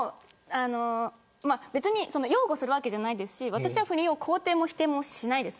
別に擁護するわけじゃないですし私は不倫を肯定も否定もしないです。